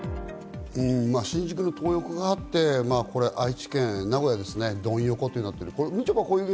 新宿のトー横があって、愛知県名古屋ですね、ドン横となっている。